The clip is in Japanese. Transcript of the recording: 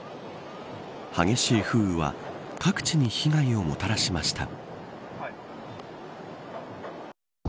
激しい風雨は各地に被害をもたらしました。